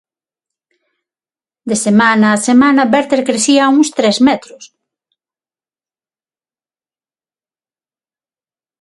De semana a semana, Verter crecía uns tres metros.